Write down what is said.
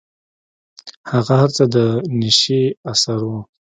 هغه هر څه د نيشې اثر و.